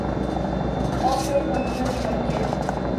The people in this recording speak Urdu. آف شور کمپنیوں کی ملکیت‘